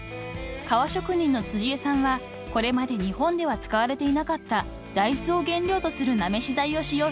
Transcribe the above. ［革職人の辻榮さんはこれまで日本では使われていなかったダイズを原料とするなめし剤を使用することに］